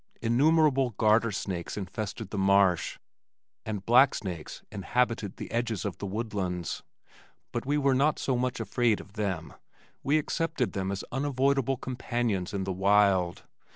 Innumerable garter snakes infested the marsh, and black snakes inhabited the edges of the woodlands, but we were not so much afraid of them. We accepted them as unavoidable companions in the wild.